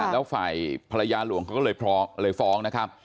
แล้วฝ่ายภรรยาหลวงเขาก็เลยฟ้องนะครับ